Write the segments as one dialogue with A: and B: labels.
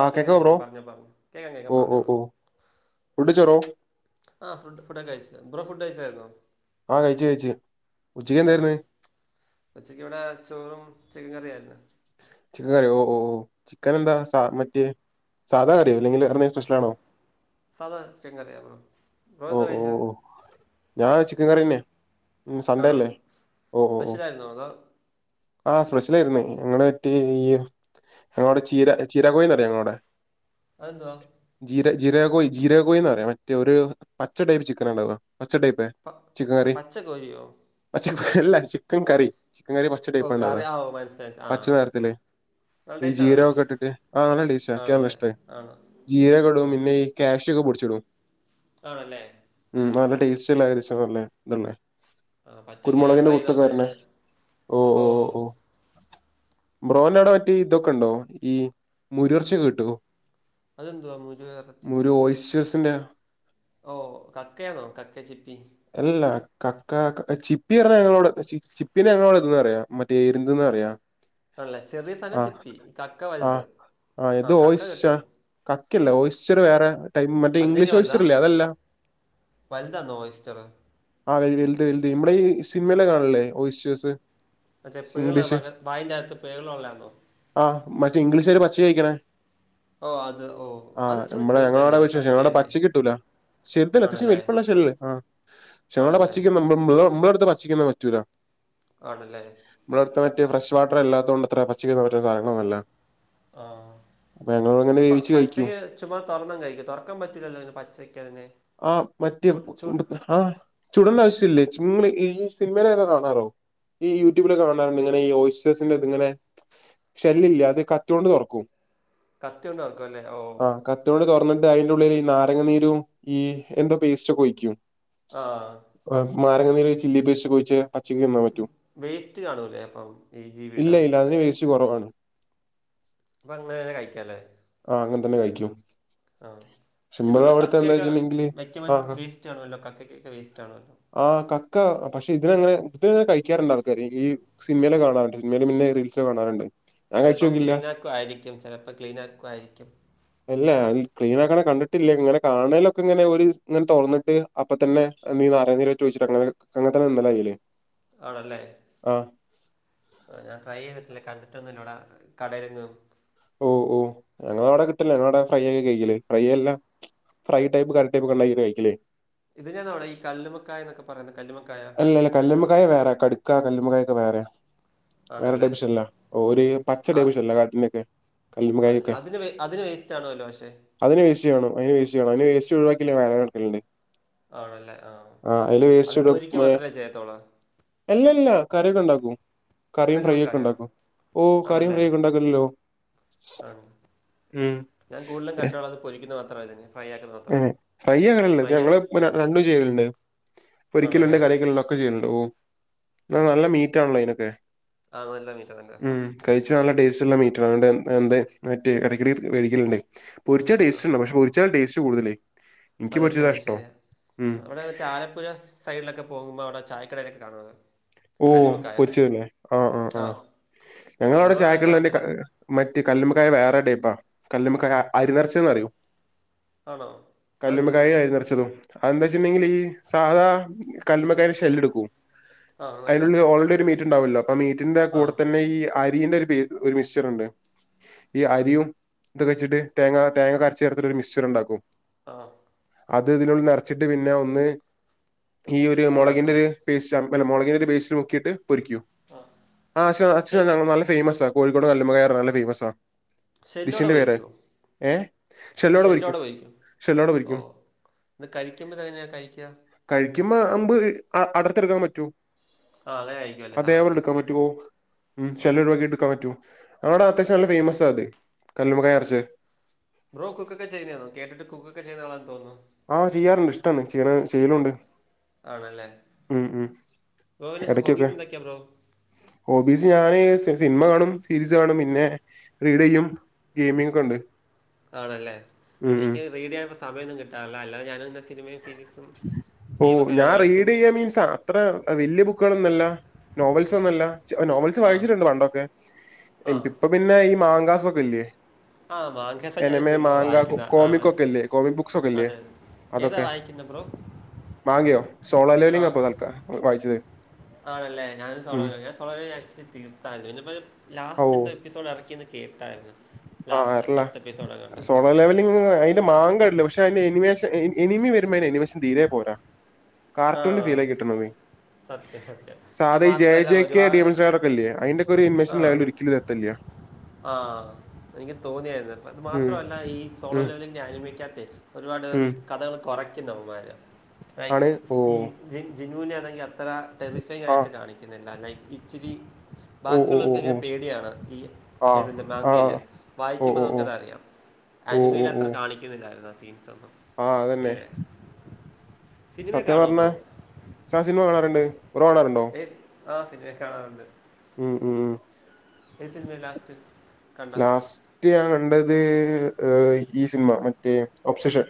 A: ആ
B: ആഹ്
A: കേക്കാം
B: കേക്കാവോ ബ്രോ
A: കേക്കാം പറഞ്ഞോ പറഞ്ഞോ കേൾക്കാം കേൾക്കാം പറഞ്ഞോളൂ.
B: ഫുട് ചോറോ.
A: ആ ഫുഡൊക്കെ കഴിച്ച. ബ്രോ ഫുഡ് കഴിച്ചായിരുന്നോ.
B: ആഹ് കഴിച് കഴിച് ഉച്ചയ്ക്ക് എന്തായിരുന്നു.
A: ഉച്ചക്ക് ഇവിടെ ചോറും ചിക്കൻ കറിയായിരുന്നു.
B: ചിക്കൻ കറിയോ ഓ ഓ. ചിക്കൻ എന്താ സാ മറ്റേ സാധാ കറിയോ അല്ലെങ്കില് അത്
A: സാധാ [unintelligible] ബ്രോ
B: ഓ
A: എന്താ
B: ഓ
A: കഴിച്ചാ.
B: ഓ ഞാൻ ചിക്കൻ കറീന്നെ ഉ സണ്ടേ
A: ആണോ
B: അല്ലേ ഓ ഓ ഓ.
A: സ്പെഷ്യലായിരുന്നോ അതോ
B: ആ സ്പെഷ്യലായിരുന്നേ. ഞങ്ങള് മറ്റേ ഈ ഞങ്ങോടെ ചീര ചീരാ കോഴിന്ന് പറയോ ഞങ്ങോടെ.
A: അത് എന്തുവാ.
B: ജീര ജീരകകോഴി ജീര കോഴി എന്ന് പറയാം മറ്റേ ഒരു പച്ച ടൈപ്പ് ചിക്കൻ ഉണ്ടാവുക പച്ചടൈപ്പ്േ
A: പ പച്ചക്കോഴിയോ.
B: പച്ചക്കല്ല ചിക്കൻ കറി. ചിക്കൻ കറി
A: ഓ
B: പച്ചടൈപ്പ ഉണ്ടാവ.
A: കറി ആ ഓ മനസ്സി
B: പച്ച നിറത്തില്. ഈ ജീരകൊക്കെ ഇട്ടിട്ട്. ആ നല്ല ടേസ്റ്റാ എനിക്ക്
A: ആണല്ലേ
B: ഇഷ്ട
A: ആണോ ഓ
B: ജീരകടും പിന്നെ. ക്യാഷ് ഒക്കെ പടിച്ചിടും.
A: ആണല്ലേ.
B: ഉം അഹ് നല്ല ടേസ്റ്റില്ലെ ദശബല്ലേ ദല്ലേ
A: ആ പറ്റുമെങ്കിൽ
B: കുരുമുളകിന്റെ
A: ട്രൈ
B: ഊത്തൊക്കെ
A: നോക്കാം
B: വര്ണേ
A: ഞങ്ങൾ
B: ഓ ഓ ഓ ബ്രോൻടവടെ മറ്റേ ഇതൊക്കെ ഉണ്ടോ ഈ മുരിഎർച്ചി കിട്ടോ.
A: അതെന്തുവാ മുരുക
B: ഒര് ഓയിസ്റ്റഴസിന്റെ.
A: ഓഹ് കക്കയാണോ കക്ക ചിപ്പി.
B: അല്ലാ കക്ക ചിപ്പി പറഞ്ഞ ഞങ്ങളോട് ചിപ്പിനെ ഞങ്ങളോട് എത്തന്ന്റിയോ. മറ്റേ എരുന്തന്ന പറയ.
A: ആണല്ല ചെറിയ സാധനം ചിപ്പി കക്ക വലുത്.
B: ആഹ് ഇത്
A: കക്ക
B: വോയിസ്.
A: കിട്ടും
B: കക്കല്ല ഓയ്സ്റ്റർ വേറെ ടൈം മറ്റേ
A: അതിലേക്ക്
B: ഇംഗ്ലീഷ്
A: വലുതാ
B: ഓയിസ്റ്ററല്ലേ അതല്ല
A: വലുതാന്നോ ഇസ്റ്റർ
B: ആഹ് അതെ ഈ വൽദ് വൽദ് മ്മളെ ഈ സിമ്മിലെ കാണല്ലേ ഓയിസ്യൂസ്
A: മറ്റേ പേളെ ബാഗെ വായിന്റെ അഹത്ത് പേള് ഉള്ളെയാന്നോ
B: ആഹ് മറ്റേ ഇംഗ്ലീഷാര് പച്ചേ കഴിക്ക്ണേ
A: ഓ അത് ഓ അത്
B: ആഹ്
A: ഇച്ചിരി
B: നമ്മടെ ഞങ്ങളോടെ
A: ചെറുതല്ലേ
B: വിശേഷം ഞങ്ങളോടെ
A: കക്കയല്ലേ
B: പച്ചക്കിട്ടൂല ചെർതല്ല അത്യാശ്യം
A: ആണല്ലേ
B: വൽപ്പള്ള ഷെള്ള് ആഹ് ക്ഷെമള്ള
A: ആണല്ലേ
B: പച്ചിക മ് മ്പമ്പ് മ്പളെ അടുത്തെ പച്ചിക്കൊന്നും പറ്റൂല
A: ആണല്ലേ
B: ഭടെ അടുത്തെ മറ്റെ ഫ്രഷ് വാട്ടറല്ലാത്തോണ്ടത്ര പച്ചിക [unintelligible] സാനങ്ങള് നോല്ല
A: ആഹ് തി പ്പ
B: വേവിച്ച് കഴിക്കും
A: പചെക്കേ ചുമ്മാ തുറന്നങ്ങ് കഴിക്ക് തുറക്കാൻ പറ്റൂലല്ലോ പച്ചക്കിഴങ്ങ്
B: ആഹ് മറ്റ് ഉം ഉണ്ട് പ്പ ആഹ് ചുടണ്ട ആവശ്യം ഇല്ലേ ചുംലെ ഏയ് സിനിമയിലെക്കെ കാണാറോ ഈ യൂട്യൂബില് കാണാറ്ണ്ട് ഇങ്ങനെ ഈ ഓയിസേസിന്റെ ഇത് ങ്ങനെ ശല്യല്ല ത് കത്യോണ്ട് തൊറക്കും.
A: കത്തിയോണ്ടർക്കല്ലേ ഓ
B: തോട് തൊർന്നിട്ട് അതിന്റെ ഉള്ളിൽ ഈ നാരങ്ങനീരും ഈ എന്തോ പേസ്റ്റ് ഒക്കെ ഒഴിക്കും
A: ആഹ്
B: ഏ മ് മാരങ്ങ നീര് ഈ ചില്ലി പേസ്റ്റ് ഒക്കെ ഒഴിച് പച്ചക്ക് തിന്നാം പറ്റും
A: വേസ്റ്റ് കാണൂലേ അപ്പം ഈ
B: ഇല്ല
A: ജീവിയുടെ
B: ഇല്ല അതിന് വേസ്റ്റ് കൊറവാണ്
A: അപ്പങ്ങ്നെ കഴിക്കാല്ലേ
B: ആഹ് അങ്ങനെ തന്നെ കഴിക്കും
A: ആ ക്ഷെ
B: സിമ്പിൾ
A: നമ്മള്
B: അവിടുത്തെ എന്താ
A: കക്കയൊക്കെ
B: വെച്ചിട്ടുണ്ടെങ്കില്
A: വെക്കു മം
B: ആഹ്
A: വേസ്റ്റ് ആണുമല്ലോ കക്കക്കൊക്കെ വേസ്റ്റ് ആണുമല്ലോ
B: ആഹ് കക്ക പക്ഷെ ഇതിനങ്ങനെ ഇത് കഴിക്കാറ്ണ്ട് ആൾക്കാര് ഈ സിൻമേലൊക്കെ കാണാറുണ്ട്. മേലും പിന്നെ റീൽസ് കാണാറ്ണ്ട്
A: ചെലപ്പം ക്ലീനാക്കുവായിരിക്കും ചെല പ്പം ക്ലീനാക്കുവായിരിക്കും
B: അല്ല ഈ ക്ലീന ആക്കണ കണ്ടിട്ടില്ല ഇങ്ങനെ കാണലൊക്കെ ഇങ്ങനെ ഒര് ങ്ങനെ തൊറന്നിട്ട് അപ്പൊ തന്നെ നീ നാരങ്ങനീരറ്റൊഴിച്ചിട്ട് അങ്ങനെ അങ്ങനെത്തന്നെ തിന്നലാ ചെയ്യല്
A: ആണല്ലേ
B: ആഹ്
A: ആഹ് ഞാൻ ട്രൈ ചെയ്തിട്ടില്ല കണ്ടിട്ടൊന്നുല്ലുട കടെലെങ്ങും
B: ഓ ഓ ഞങ്ങള അവിടെ കിട്ടില്ല. ഞങ്ങള് അവിടെ ഫ്രൈ ആക്കി കഴിക്കല്, ഫ്രൈ അല്ല ഫ്രൈ ടൈപ്പ് കറി ടൈപ്പ് ഒക്കെ ണ്ടാക്കി കഴിക്കല്
A: ഇതിനാണോ അവിടെ ഈ കല്ലുമ്മക്കായ എന്നൊക്ക പറയുന്ന കല്ലുമക്കായ
B: അല്ലല്ല കല്ല്മ്മക്കായ വേറെ കട്ക്ക കല്ല് മ്മക്കായ ഒക്കെ വേറെ വേറെ
A: ആണല്ലേ
B: ഡെവിഷൺലാ ഓര് ഈ പച്ച ഡെവിഷൺലാ കാര്യത്തുമ്മക്കെ
A: അഹ് അതിന് അതിന് വേസ്റ്റ് ആണുവല്ലോ പക്ഷേ
B: അതിന് വേസ്റ്റ് വേണം അയ്ന് വേസ്റ്റ് വേണം അയ്ൻ വേസ്റ്റ് ഒഴിവാക്കില്ലങ്കി വേദനട്കല്ണ്ട്
A: ആണല്ലേ ആഹ് അത് പൊരിക്ക മാത്രല്ലേ ചെയ്യത്തൊള്ളൂ.
B: എല്ലല്ല കറിയൊക്കെണ്ടാക്കും. കറിം ഫ്രൈയ്യൊക്കെ
A: കല്ലുമ്മക്കായ
B: ണ്ടാക്കും, ഓ കറിയും
A: ആണല്ലേ
B: ഫ്രൈയ്യോക്കെണ്ടാക്കല്ലോ
A: ആ ഞാൻ കൂട്ലും കണ്ടോള അത് പൊരിക്കുന്നത് മാത്രന്നെയെ
B: ഏ ഫ്രൈ അങ്ങനല്ല ഇത് ഞങ്ങള് രണ്ടും ചെയ്യലുണ്ട് പൊരിക്കലുണ്ട്
A: ആണല്ലേ
B: കറിയെക്കല്ണ്ട് ഒക്കെ ചെയ്യല്ണ്ട് ഓ നല്ല മീറ്റാണല്ലോ ഇയ്നൊക്കെ
A: ആഹ് അതല്ല മീറ്ററേ ന്റെ സ
B: കഴിച്ച നല്ല ടേസ്റ്റ്ല്ല മീറ്റ്റാ ണ്ട് ന്തേ മറ്റേ ഇടക്കിടെ വേടിക്കല്ണ്ട് പൊരിച്ച
A: ആ
B: ടേസ്റ്റ്ണ്ട് പക്ഷ പൊരിച്ചാൽ ടേസ്റ്റ് കൂടുതല്
A: അതെ ശരിയ ശരിയ അവിടെ മറ്റേ ആല പുരോ സൈഡിലൊക്ക പോകുമ്പോ അവിടെ ചായക്കടയിലൊക്കെ കാണുന്നത്.
B: ഓഹ് പൊച്ചുല്ലേ ആ ആഹ് ആഹ് ഞങ്ങളവിടെ
A: നമ്മുടെ അവിടെങ്ങും
B: ചായക്കടലന്റി ക
A: കാണത്തില്ല.
B: മറ്റേ കല്ലുമക്കായ വേറെ ടൈപ്പാ കല്ല്മക്കായ അരി നിറച്ചെന്നറിയും
A: ആണോ? അതെന്താ
B: കല്ലുമക്കായേം
A: സംഭവം?
B: അരി നെർച്ചതും അതന്താച്ചിണ്ടെങ്കില് ഈ സാദാ കല്ലുമക്കായ്ന് ഷെല്ല്ടുക്കും
A: ആഹ് എന്നിട്ട്?
B: അയിനുള്ളി ഓൾറെഡി ഒരു മീറ്റ് ഉണ്ടാവല്ലോ അപ്പ ആ മീറ്റിന്റെ
A: ആഹ്
B: കൂടെ തന്നെ ഈ അരിയിന്റെ ഒരുപേക് ഒരുമിക്സ്ഡ്ണ്ട് ഈ അരിയും ഇത്ക്കെച്ചിട്ട് തേങ്ങ തേങ്ങക്കെ അരച്ചിട്ട് ചേർത്തിട്ട് ഒരു മിക്സചർ ഉണ്ടാക്കും
A: ആഹാ
B: അത് ഇതിനുള്ളി നെറച്ചിട്ട് പിന്നെ ഒന്ന് ഈ ഒരു മൊളകിന്റെ
A: ചൂടാക്കോ?
B: ഒരു പേസ്റ്റാ മൊളകി പേസ്റ്റ് മുക്കീട്ട് പൊരിക്കൂ
A: ആഹ്.
B: ആച്ഛ അച്ഛ
A: ഷെൽ
B: [unintelligible] ഫേയ്മസ കോഴിക്കോട് കല്ലുമകായ നല്ല ഫേയ്മസാ
A: ഷെല്ലോടെ
B: ദിഷിന്റെ പേര്
A: പൊരിക്കോ?
B: ഏ ഷെല്ലോടെ പരിക്കും ഷെല്ലോടെ പരിക്കും
A: ത് കഴിക്കുമ്പോ തങ്ങനെയാ കഴിക്കാ
B: കഴിക്കുമ്പോ അപ് അടർത്തെടുക്കാൻ പറ്റും
A: ആഹ അതെയി
B: അതേപോലെ ഇടുക്കാൻ പറ്റുവോ ഉം
A: ഓഹ്.
B: ചേലോല് വണ്ടി ഇടു പറ്റു അവിടെ അത്യാവശ്യം നല്ല ഫേയ്മസ് അത് കല്ലുമമകായനറച്ചത്
A: ബ്രോ കുക്കൊക്കെ ചെയ്യന്നയാന്നൊ കേട്ട്ട്ട് കുക്കൊക്കെ ചെയ്യ്ന്ന ആളാന്ന് തോന്നുന്നു
B: ആഹ് ചെയ്യാറുണ്ട് ഇഷ്ടാന്ന് ചെയ്യണ് ചെയ്യലുണ്ട് ഉം ഉം
A: ബ്രോന്റെ സ
B: എടക്കൊക്കെ
A: ഹോബീസ്ന്തക്കിയ ബ്രോ?
B: ഹോബീസ് ഞാന് സി സിനിമ കാണും സീരീസ് കാണും പിന്നെ റീഡ് ചെയ്യും ഗെയിമിംഗ്ക്കെ ഉണ്ട്
A: ആണല്ലേ
B: ഉം ഉം
A: എനിക്ക് റീഡ് ചെയ്യാന്പ സമയൊന്നും കിട്ടാറില്ല അല്ലാതെ ഞാനങ്ങ് സിനിമേം സീരീസും ഗെയിമൊക്കൊരുപാട് കളിക്കും
B: മീൻസാ അത്ര വലിയ ബുക്കുകളൊന്നുല്ല നോവൽസൊന്നുല്ല നോവൽസ്
A: ആ.
B: വായിച്ചിട്ടുണ്ട് പണ്ടൊക്കെ
A: ആ.
B: ഇപ്പ പിന്നെ ഈ മാങ്കാസൊക്കെല്ലേ?
A: ആഹ് മാങ്കേസ ഞാനും വീട്ടിൽ വായിക്കുന്ന ആ
B: കോമിക് ഒക്കെ
A: മന്യ
B: ഇല്ലേ? കോമിക് ബുക്സ് ഒക്കെ ഇല്ലേ?
A: അതതെ ഏതാ വായിക്ക പിന്ന ബ്രോ?
B: വാങ്ങിയോ സോള
A: ആ.
B: ലേണിംങ്ങപ്പതൽക്ക വായിച്ചത് ഉം
A: വളരെ അക്‌സ് റ്റെറ്റ് യും [unintelligible] പിനിപ്പം
B: ഓ
A: ലാസ്റ്റ് ൻ്റെ എപ്പിസോഡ് ഇറക്കിന്ന് കേട്ടായിരുന്നു
B: ആഹ്
A: ലാസ്റ്റ്
B: അർള
A: എപ്പിസോഡ് എങ്ങാണ്ട്. ആ.
B: സോളോ ലവലിങ് അയി [unintelligible] പക്ഷെ അയ്ന്റെ എനിമേഷ എനിമി വരുമ്പോ അതിന് എനിമേഷൻ തീരെ പോരാ
A: ആ.
B: കാർട്ടൂണിന്റെ ഫീലെ കിട്ടണത്
A: സത്യം, സത്യം. അത്
B: സാധാ ഈ ജെ
A: മാത്രല്ല
B: ജെക്ക്
A: ഒരുപാട്
B: ഡിംസാർ ഒക്കെല്ലേ അയിന്റെക്കെ ഒരു ഇൻവെഷൻ ലെവൽരിക്ക [unintelligible]
A: ആഹ് എനിക്ക് തോന്നിയാരുന്നു ത്
B: ഉം
A: മാത്രല്ല ഈ സോളോ
B: ഉം
A: ലെവല് ഞാന് മേക്കാത്തെ ഒരുപാട്
B: ഉം
A: കഥകൾ കുറയ്ക്കുന്ന വമ്മാര്
B: ആണ്. ഓ
A: [unintelligible] ജി ജിനു അണെങ്കിൽ അത്ര ടെറിഫൈ ആയിട്ട്
B: ആഹ്
A: കാണിക്കുന്നില്ല ലെഇച്ചിരി
B: ഓ ഓ ഓ ഓ
A: ബാക്കിയുള്ളോർക്ക്ങ്ങനെ പേടിയാണ് ഈ
B: ആഹ്
A: ഏതിൻ്റെ മാങ്കയില്
B: ആഹ് ഓ
A: വായിക്കുമ്പോ
B: ഓ
A: നമുക്ക
B: ഓ
A: അതറിയാം
B: ഓ ഓ
A: ആനിമയിൽ
B: ഓ
A: അത്ര കാണിക്ക [unintelligible] സീൻസൊന്നും
B: ആഹ് അതന്നെ
A: സിനിമ
B: സത്യം
A: കാണുമോ
B: പറഞ്ഞ
A: ബ്രോ
B: സാ സിനിമ കാണാറുണ്ട് ബ്രോ കാണാറുണ്ടോ
A: ആഹ് സിനിമയൊക്കെ കാണാറുണ്ട്
B: ഉം ഉം ഉം
A: എാ സിനമ ലാസ്റ്റ് കണ്ട
B: ലാസ്റ്റ് ഞാൻ കണ്ടത് ഈ സിനിമ മറ്റേ ഓബ്സഷൻ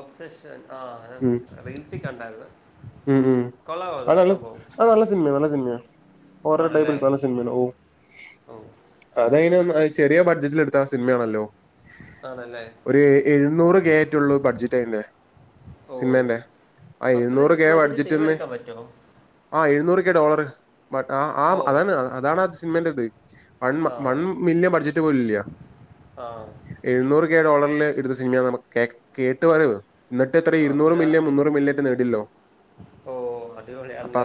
A: ഒബ്സെഷൻ ആഹാ
B: ഉം
A: റീൽസ് കണ്ടായിരിന്
B: ഉം ഉം അത് നല്ല അത് നല്ല സിനിമയ നല്ല സിനിമയാ [unintelligible]
A: ഹൊ
B: അതയിന് ചെറിയ ബഡ്ജറ്റ്ൽട്ത്ത സിനിമയാണല്ലോ?
A: ആണല്ലേ
B: ഒരു എഴുന്നൂറ് കെ ആയിറ്റുള്ളൂ ബഡ്ജറ്റ് അതിന്റെ
A: ഓ
B: സിനിമെന്റെ ആ
A: അത്രയും
B: എഴുന്നൂറ്- ബഡ്ജറ്റ്
A: സിനിമ
B: എന്ന്
A: എടുക്കാൻ പറ്റുമോ
B: എഴുന്നൂറു കെ ഡോളർ
A: ഓ
B: ആഹ് അതാണ് അതാണ് സിനിമെന്റെ ഇത് വൺ
A: ആ
B: വൺ മില്യൻ ബഡ്ജറ്റ് പോലും ഇല്ല
A: ആ
B: എഴുന്നൂറ് കെ ഡോളറിൽ എടുത്ത സിനിമയാണ് നമുക്ക് കേ കേട്ട് വരവോ എന്നിട്ട് എത്രയാ ഇരൂനൂറ് മില്ല്ൺ മുന്നൂറ് മില്ല്യൺ ഒക്കെ നേടില്ലോ
A: ഓഹ് അടിപൊളി അണ [unintelligible] ല്ലെ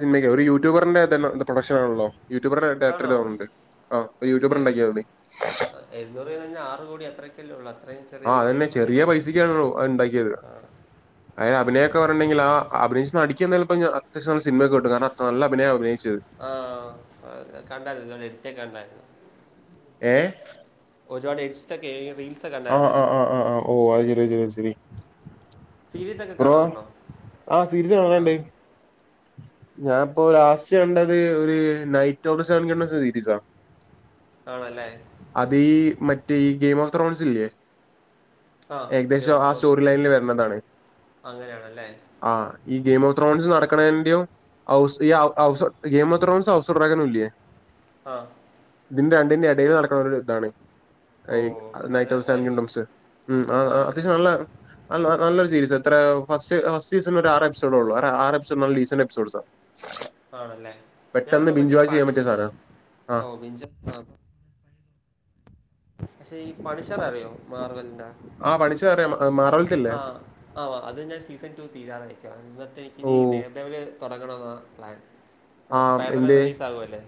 B: സിൻമയ്ക്കെ ഒരു യൂട്യൂബർന്റെ തന്നെ പ്രൊഡക്ഷൻ ആണല്ലോ. യൂട്യൂബർ എത്ര
A: ആണോ
B: ലോങ്ങ് ആഹ് യൂട്യൂബർ
A: ശേ
B: ഉണ്ടാക്കിയ അവിടെ
A: ആ, എഴുന്നൂറ് തന്നെ ആറ് കോടി അത്രയ്ക്കല്ലേ ഉള്ളൂ അത്രയും ചെറിയ
B: ആഹ് അത്
A: പൈസ
B: തന്നെ
A: വെച്ച്
B: ചെറിയ
A: സിനിമയൊക്കെ
B: പൈസക്കാണല്ലോ അത് ഇണ്ടാക്കിയത്
A: ആ
B: ആഹ് അഭിനയൊക്കെ പറഞ്ഞിട്ടുണ്ടെങ്കിൽ ആഹ് അഭിനയിച്ച് നടിക്കു- അത്യാവശ്യം സിനിമ ഒക്കെ ഉണ്ട് കാരണം നല്ല അഭിനയമ അഭിനയിച്ചത്
A: ആഹ് കണ്ടായിരുന്നു ഇതുപോലെ എടുത്തേ കണ്ടായിരുന്നു
B: ഏഹ്
A: ഒരാളെ ഇൻസ്റ്റ കേ റീൽസ്
B: ആഹ്
A: കണ്ടായിരുന്നു ഞാൻ
B: ആഹ് ആഹ് ആഹ് ആഹ് ഓഹ് അത് ശരി
A: സീരീസൊക്കെ
B: ബ്രോ
A: കാണാറുണ്ടോ
B: ആഹ് സീരീസ്
A: ആ
B: കാണാറ്ണ്ട്. ഞാനിപ്പോ ലാസ്റ്റ് കണ്ടത് ഒരു നൈറ്റ് ഓഡ വിക്കിന്റെ സീരീസാണ്
A: ആണല്ലേ
B: അതീ മറ്റേ ഈ ഗെയിം ഓഫ് ത്രോൺസ് ഇല്ലിയോ
A: ആ ഗെയിം
B: ഏകദേശം
A: ഓഫ്
B: ആ സ്റ്റോറി
A: ത്രോൺസിൻ്റെ
B: ലൈനിൽ വരുന്നതാണ്
A: അങ്ങനെയാണല്ലേ
B: ആഹ് ഈ ഗെയിം ഓഫ് ത്രോൺസ് നടക്കണതിന്റെയോ ഒരു സ്ത്രിയെ - ഗെയിം ഓഫ് ത്രോഡന് ഹൌസ് ഓഫ് ഡ്രാഗൺ ഇല്ലേ
A: ആ
B: ഇതിന്റെ രണ്ടിന്റെ ഇടയിൽ നടക്കണ ഒരു ഇതാണ്
A: ഓ അപ്പം നല്ല
B: നൈറ്റ്
A: രസമായിരിക്കും
B: ഓഫ് [unintelligible] ആഹ്
A: ആണല്ലേ
B: അത്യാവശ്യം നല്ല നലൊരു സീരീസ് എത്ര ഫസ്റ്റ് ഫസ്റ്റ് സീസണിൽ ഒരു ആറ് എപ്പിസോഡേ ഉള്ളൂ ആറ് - [unintelligible] മൾ ടീസൺ എപ്സോഡ്സ.
A: ആണല്ലേ ഞാനിപ്പോ മറ്റേ-
B: സാധനാ ആഹ്
A: പക്ഷെ ഈ പണിഷ‌ർ അറിയോ മാർവൽന്റെ.
B: ആഹ് പണിഷ്‌ [unintelligible] ർ അറിയാം
A: ആഹ് ആഹ് അതിന്റെ സീസൺ ടു തീരാറയക്കാം എന്നിട്ട് എനിക്ക് ഇനി,
B: ഓഹ്
A: - തൊടങ്ങണൊന്നാ പ്ലാൻ.
B: ആഹ്
A: സ്പൈഡർമാൻ
B: എന്തേ
A: റിലീസ് ആകുവല്ലേ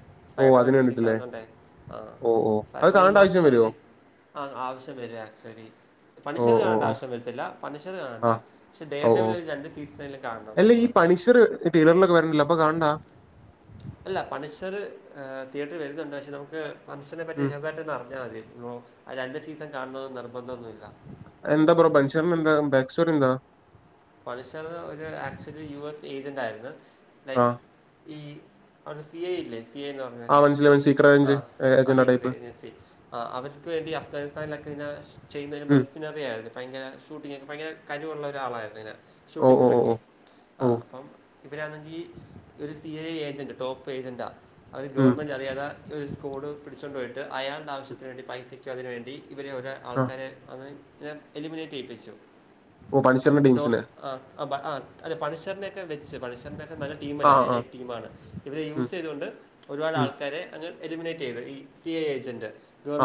B: ഓഹ്
A: സ്പൈഡർമാൻ
B: അതിന്
A: റിലീസ്
B: വേണ്ടിട്ടല്ലേ
A: ആകുന്നുണ്ടേ
B: ഓഹ് ഓഹ് അത്
A: സ്പൈഡർമാൻ ഈ
B: കാണണ്ട
A: മാസം-
B: ആവശ്യം വരുവോ
A: റിലീസ് ആഹ് ആവശ്യം വരും ആക്ച്വലി പണിഷർ
B: ഓഹ് ഓഹ്
A: കാണേണ്ട
B: ഓഹ്
A: ആവശ്യം വരത്തില്ല മനുഷ്യര് കാണേണ്ട
B: ആഹ്
A: പക്ഷെ ഡെയർ
B: ഓഹ്
A: ഡെവിൾ ഒരു രണ്ട് സീസണൽ കാണണം നമ്മള് -
B: ഇതെ തീയേറ്ററിൽ ഒക്കെ വരന്നുണ്ടല്ലോ അപ്പോ കാണണ്ടാ
A: അല്ല പണിഷർ തിയേറ്റൽ വരുന്നുണ്ട് പക്ഷെ നമുക്ക് പണിഷ്‌റിനെ പറ്റി
B: ഉം
A: ചെറുതായിട്ടന്ന് അറിഞ്ഞാൽ മതി- ആഹ് രണ്ട് സീസൺ കാണണം എന്ന് നിർബന്ധമൊന്നുമില്ല
B: എന്താ ബ്രോ പണിഷ്‌റിന്റെ എന്താ [unintelligible] എന്താ
A: പണിച്ചർ ഒരു ആക്ച്വലി യു എസ് ഏജന്റ് ആയിരുന്നു
B: ആ
A: ലൈക്ക്- ഈ സി ഐ ഇല്ലേ സി എന്ന് അതെ
B: ആ മനസ്സിലായി മനസ്സിലായി സീക്രട്ട് റേഞ്ച്
A: ആ
B: ഏജന്റ
A: സീക്രട്ട്
B: ടൈപ്പ്
A: ഏജൻസി ആഹ് അവർക്ക് വേണ്ടി അഫ്ഗാനിസ്ഥാനിലൊക്കെ ഇതിനാ ചെയ്യുന്നതിന്
B: ഉം
A: മെർസിനറി ആയിരുന്നു ഭയങ്കര ഷൂട്ടിങ്ങ് ഒക്കെ ഭയങ്കര കഴിവുള്ള ഒരാളായിരുന്നു
B: ഓ ഓ ഓ
A: ഷൂട്ടിങ്ങിലൊക്കെ
B: ഓ
A: ആ
B: ഓ
A: അപ്പം ഇബരാണെങ്കി ഒരു C I A agent top ഏജന്റാ അവര്
B: ഉം
A: ഗവൺമെന്റ് അറിയാതെ. ഒരു സ്കോഡ് പിടിച്ചുകൊണ്ടുപോയിട്ട് അയാളുടെ
B: ഉം.
A: ആവശ്യത്തിന് വേണ്ടി പൈസക്കും അതിന് വേണ്ടി- ഇവരെ
B: ആ
A: ആൾക്കാരെ അന്ന് എലിമിനേറ്റ് ചെയ്യിപ്പിച്ചു
B: പഠ [unintelligible]
A: ഡോർത്ത് ആഹ് അ ഭ അല്ല പണിഷർനെക്കെ വെച്ച് പണിഷറിന്റെക്കെ. [unintelligible] ടീം
B: ആ ആ ആ.
A: [unintelligible] ടീം ആണ് ഇത്
B: ഉം
A: യൂസെയ്തോണ്ട് ഒരുപാട്
B: ഉം
A: ആൾക്കാരെ അങ്ങ് എലിമിനേറ്റെയ്ത് ഈ സി ഐ ഏജന്റ്.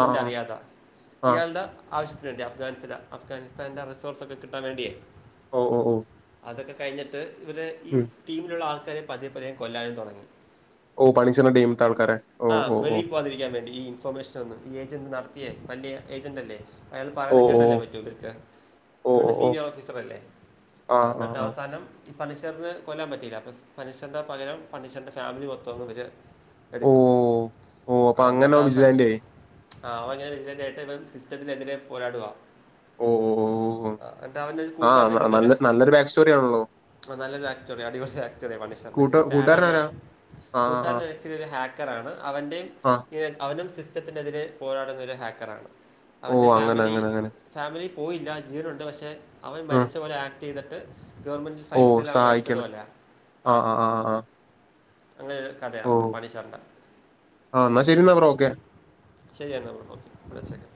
B: ആ ആ
A: അറിയാത്ത
B: ആ ആ.
A: ഇയാളുടെ- ആവശ്യനുണ്ട് അഫ്ഗാനി അഫ്ഗാനിസ്ഥാന്റെ റിസോഴ്സ്സ് ഒക്കെ കിട്ടാൻ വേണ്ടിയ-
B: ഓഹ് ഓഹ് ഓഹ്
A: അതൊക്കെ കഴിഞ്ഞിട്ട് ഇവര് ഈ ടീമിലുള്ള ആൾക്കാരെ പതിയേ പതിയെ കൊല്ലാനും തുടങ്ങി
B: ഓ പണിച്ചറിന്റെ ടീമത്തെ ആൾക്കാരെ ഓ
A: ആ
B: ഓ ഓ
A: വെളിയിൽ പോവാതിരിക്കാൻ വേണ്ടി ഈ ഇൻഫൊർമേഷൻ ഈ ഏജന്റ് നടത്തിയേ വലിയ ഏജന്റ് അല്ലേ അയാൾ
B: ഓ
A: പറയുന്നത്
B: ഓ
A: കേട്ടല്ലേ പറ്റോ ഇവർക്ക്
B: ഓ ഓ
A: ഇവിടെ
B: ഓ
A: സീനിയർ ഓഫീസർ അല്ലേ ആ എന്നിട്ട് അവസാനം ഈ പണീഷറിന് കൊല്ലാൻ പറ്റിയില്ല. അപ്പോൾ പണിഷറിന്റെ പകരം പണീഷറിന്റെ ഫാമിലി മൊത്തം ഒന്ന് ഇവര്,
B: ഓ
A: എടുക്കും
B: ഓ അപ്പൊ അങ്ങനെ
A: എന്നിട്ട് അവസാനം
B: വിജിലാൻഡേ
A: ആ അവ [unintelligible] [unintelligible] [unintelligible] [unintelligible] പോരാടുവ.
B: ഓ ഓ ഓ ഓ.
A: ആ എന്നിട്ടാ അവനൊരു
B: ആ
A: കൂട്ടാരനും കിട്ട
B: ന- നല്ല നല്ലൊരു ബാക്ക് സ്റ്റോറി ആണല്ലോ
A: നല്ല ഒരു ബാക്സ്റ്റോറിയ അടിപൊളി ബാക്ക് സ്റ്റോറിയ
B: കൂട്ട
A: പണിഷറിന്റെ ഫാഡാ
B: കൂട്ടുകാരനാരാ
A: ണേലും
B: ആ
A: കൂട്ടാൻ [unintelligible] ഒരു ഹാക്കറാണ് അവന്റേം,
B: ആഹ്
A: അവനും സിസ്റ്റത്തിനെതിരെ പോരാടുന്ന ഒരു ഹാക്കറാണ്
B: ഓ
A: അവന്റെ
B: അങ്ങനെ
A: ഫാമിലി
B: അങ്ങനെ അങ്ങനെ
A: ഫാമിലി പോയില്ല ജീവനുണ്ട് പക്ഷെ അവൻ
B: ഉം.
A: മരിച്ച ഹാക്ക് ചെയ്തിട്ട് ഗവൺമെന്റ്
B: ഓ
A: [unintelligible] എല്ലാം വലച്ചതു
B: സഹായിക്കണ്
A: പോലെ. ആ അങ്ങനെ ഒരു
B: ഓ
A: കഥയാവില്ല പണിഷറിന്റെ
B: ആ എന്നാ ശരി. എന്നാ ബ്രോ ഓക്കെ.
A: ശരി എന്നാൽ ഓക്കെ വച്ചേക്കാം